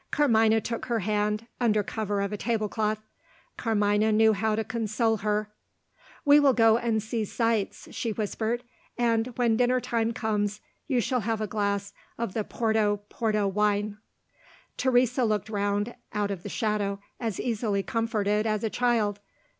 Carmina took her hand, under cover of a tablecloth; Carmina knew how to console her. "We will go and see sights," she whispered "and, when dinner time comes, you shall have a glass of the Porto porto wine." Teresa looked round out of the shadow, as easily comforted as a child.